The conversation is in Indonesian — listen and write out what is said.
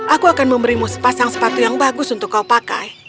aku akan memberimu sepasang sepatu yang bagus untuk kau pakai